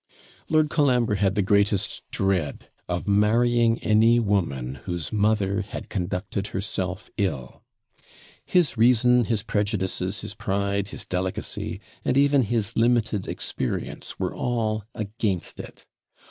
Lord Colambre had the greatest dread of marrying any woman whose mother had conducted herself ill. His reason, his prejudices, his pride, his delicacy, and even his limited experience, were all against it.